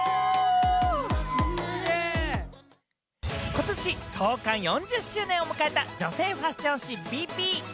ことし創刊４０周年を迎えた女性ファッション誌『ＶｉＶｉ』。